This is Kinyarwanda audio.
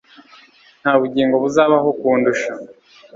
nta bugingo buzabaho kundusha